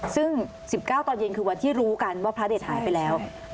ซึ่ง๑๙ตอนเย็นคือวันที่รู้กันว่าพระเด็ดหายไปแล้ว